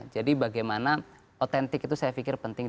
jadi bagaimana otentik itu saya pikir penting